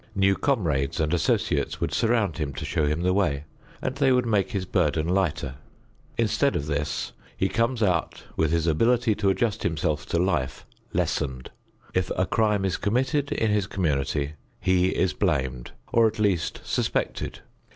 New comrades and associates would surround him to show him the way, and they would make his burden lighter. Instead of this, he comes out with his ability to adjust himself to life lessened. If a crime is committed in his community he is blamed or at least suspected.